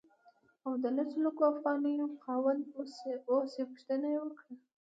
او د لسو لکو افغانیو خاوند اوسې پوښتنه یې وکړه.